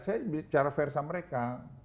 saya bicara fair sama mereka